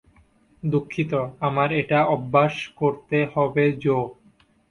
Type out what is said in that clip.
দুঃখিত, আমার এটা অভ্যাস করতে হবে, জো।